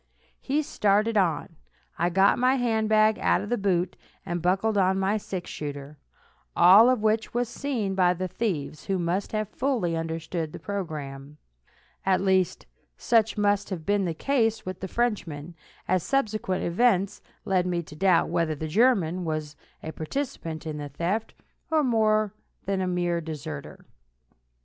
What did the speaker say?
He started on. I got my hand bag out of the boot, and buckled on my six shooter, all of which was seen by the thieves, who must have fully understood the program; at least, such must have been the case with the Frenchman, as subsequent events led me to doubt whether the German was a participant in the theft, or more than a mere deserter.